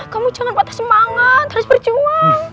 kamu jangan patah semangat terus berjuang